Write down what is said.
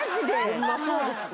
ホンマそうですね